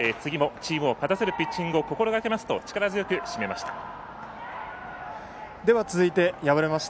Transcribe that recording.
勝たせるピッチングを心がけますと力強く締めました。